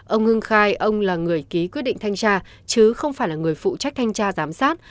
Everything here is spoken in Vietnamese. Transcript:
ông hưng khai ông là người ký quyết định thanh tra chứ không phải là người phụ trách thanh tra giám sát